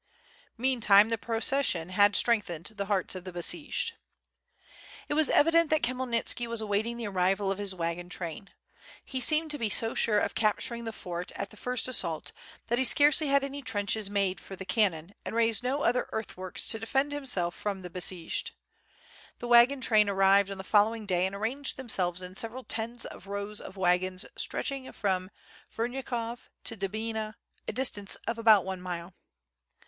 Meantime the procession had strengthened the hearts of the besieged. It was evident that Khmyelnitski was awaiting the arrival of his wagon train. He seemed to be so sure of capturing the fort at the first assault that he scarcely had any trenches made for the cannon and raised no other earthworks to de fend himself from the besieged. The wagon train arrived on the following day and arranged themselves in several tens of rows of wagons stretching from Vernyakov to Denbina a distance of about one mile.